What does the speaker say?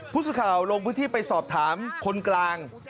ผู้สื่อข่าวลงพื้นที่ไปสอบถามคนกลาง